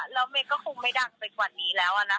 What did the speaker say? แล้วเมย์ก็คงไม่ดังไปกว่านี้แล้วนะคะ